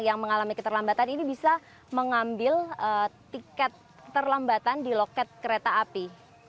yang mengalami keterlambatan ini bisa mengambil tiket terlambatan di loket kereta api